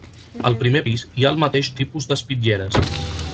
Al primer pis hi ha el mateix tipus d'espitlleres.